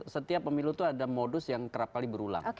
setiap pemilu itu ada modus yang kerap kali berulang